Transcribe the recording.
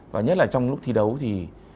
và nhất là trong lúc thi đấu thì